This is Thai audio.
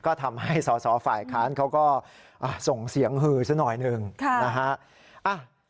ก็ทำให้สอสอฝ่ายค้านเขาก็ส่งเสียงหือซะหน่อยหนึ่งนะฮะ